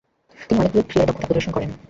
তিনি অনেকগুলো ক্রীড়ায় দক্ষতা প্রদর্শন করেন।